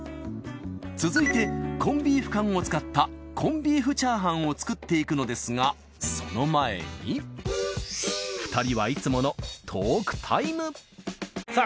続いてコンビーフ缶を使ったコンビーフチャーハンを作っていくのですがその前に２人はいつものさあ